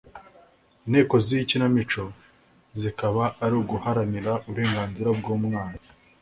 intego z’iyi kinamico zikaba ari uguharanira uburenganzira bw’umwana